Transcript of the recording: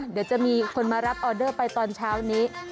เดี๋ยวจะมีคนมารับออเดอร์ไปตอนเช้านี้